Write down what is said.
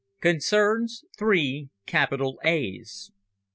CONCERNS THREE CAPITAL A'S.